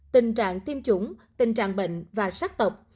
tình trạng tiêm chủng tình trạng bệnh và sắc tộc